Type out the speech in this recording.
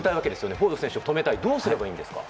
フォード選手を止めるにはどうすればいいですか？